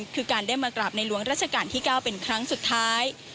คือการได้มากราบในหลวงราชการที่๙เป็นครั้งสุดท้าย